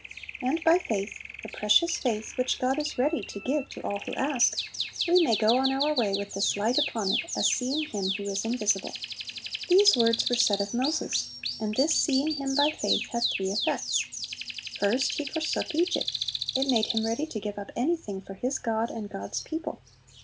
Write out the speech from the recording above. And by faith, the precious faith which God is ready to give to all who ask, we may go on our way with this light upon it, "as seeing Him who is invisible." These words were said of Moses; and this seeing Him by faith had three effects. First, "he forsook Egypt;" it made him ready to give up anything for his God, and God's people.